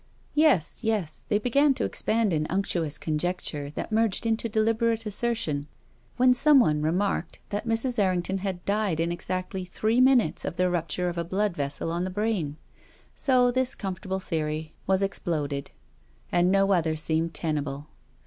Yes, yes ; they began to expand in unctuous conjecture that merged into deliberate assertion, when some one remarked that Mrs. Errington had died in exactly three minutes of the rupture of a blood vessel on the brain. So this comfortable theory was ex ploded. And no other seemed tenable.